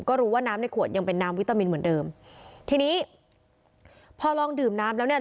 ก็รู้ว่าน้ำในขวดยังเป็นน้ำวิตามินเหมือนเดิมทีนี้พอลองดื่มน้ำแล้วเนี่ย